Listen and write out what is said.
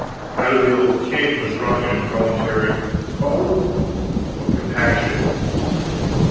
Out of the old king was wrung an involuntary "O h!" of compassion.